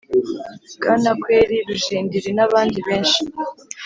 Bwanakweli, Rujindiri nabandi benshi